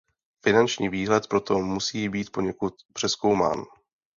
Finanční výhled proto musí být poněkud přezkoumán.